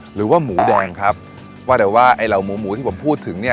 หรือว่าหมูแดงครับว่าแต่ว่าไอ้เหล่าหมูหมูที่ผมพูดถึงเนี่ย